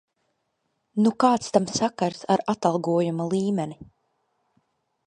Nu kāds tam sakars ar atalgojuma līmeni!